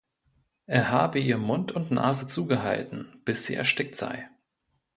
Er habe ihr Mund und Nase zugehalten, bis sie erstickt sei.